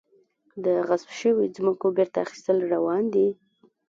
د غصب شویو ځمکو بیرته اخیستل روان دي؟